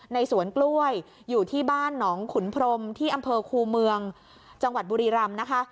ในสวนกล้วยอยู่ที่บ้านหนองขุนพรมที่อำเภอคูเมืองจังหวัดบุรีรำนะคะ